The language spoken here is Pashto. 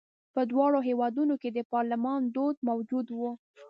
په دواړو هېوادونو کې د پارلمان دود موجود و.